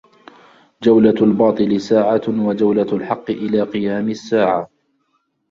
جولة الباطل ساعة وجولة الحق إلى قيام الساعة